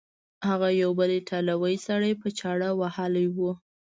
هغه یو بل ایټالوی سړی په چاړه وهلی و.